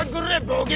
ボケ！